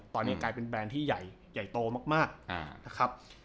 ตอนนี้กลายเป็นแบรนด์ที่ใหญ่โตมากนะครับ